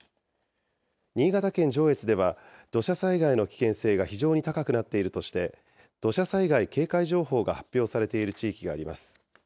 新潟県上越では、土砂災害の危険性が非常に高くなっているとして、土砂災害警戒情報が発表されている地域があります。